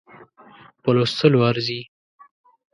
په لوستلو ارزي.